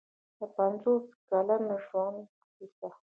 د پنځوس کلن ژوند کیسه.